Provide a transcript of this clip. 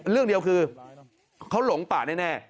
เรื่องเดียวคือเขาหลงป่าแน่